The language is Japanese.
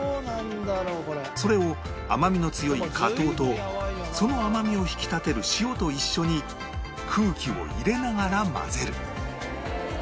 それを甘みの強い果糖とその甘みを引き立てる塩と一緒に空気を入れながら混ぜる